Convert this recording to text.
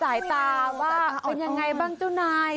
สายตาว่าเป็นยังไงบ้างเจ้านาย